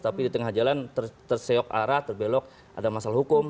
tapi di tengah jalan terseok arah terbelok ada masalah hukum